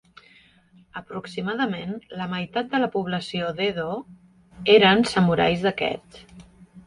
Aproximadament la meitat de la població d'Edo eren samurais d'aquests.